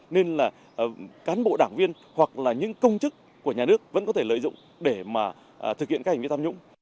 nên là cán bộ đảng viên hoặc là những công chức của nhà nước vẫn có thể lợi dụng để mà thực hiện các hành vi tham nhũng